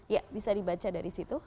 ya bisa dibaca dari situ